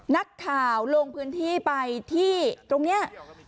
นักข่าวลงพื้นที่ไปที่ตรงนี้